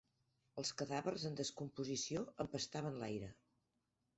Els cadàvers en descomposició empestaven l'aire.